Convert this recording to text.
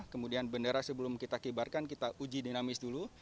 kemudian bendera sebelum kita kibarkan kita uji dinamis dulu